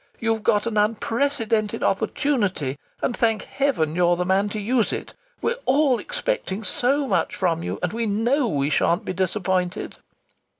"You've got an unprecedented opportunity, and thank Heaven you're the man to use it! We're all expecting so much from you, and we know we shan't be disappointed."